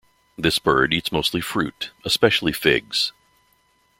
This bird eats mostly fruit, especially figs.